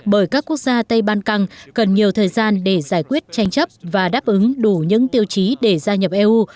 bởi các quốc gia tây ban căng cần nhiều thời gian để giải quyết tranh chấp và đáp ứng đủ những tiêu chí để gia nhập eu